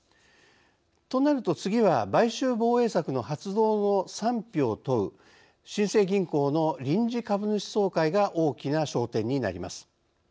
となると次は買収防衛策の発動の賛否を問う新生銀行の臨時株主総会が大きな焦点になります。